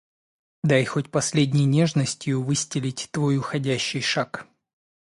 Дай хоть последней нежностью выстелить твой уходящий шаг.